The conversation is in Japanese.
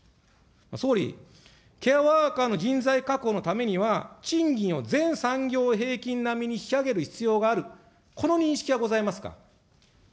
総理、ケアワーカーの人材確保のためには、賃金を全産業平均並みに引き上げる必要がある、この認識はございますか。